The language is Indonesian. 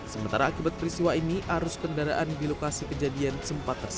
sementara akibat peristiwa ini arus kendaraan di lokasi kejadian sempat terjadi